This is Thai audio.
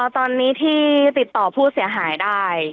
ตอนนี้ที่ติดต่อผู้เสียหายได้